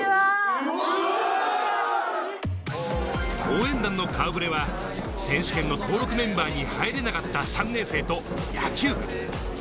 応援団の顔触れは、選手権の登録メンバーに入らなかった３年生と野球部。